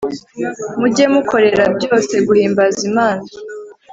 mujye mukorera byose guhimbaza Imana